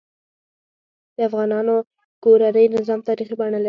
د افغانانو کورنۍ نظام تاریخي بڼه لري.